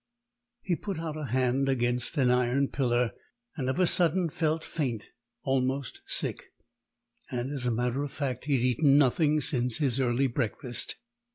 He put out a hand against the iron pillar, and of a sudden felt faint, almost sick. As a matter of fact, he had eaten nothing since his early breakfast.